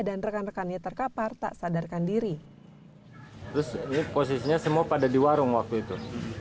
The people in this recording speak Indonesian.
dan rekan rekannya terkapar tak sadarkan diri terus posisinya semua pada di warung waktu itu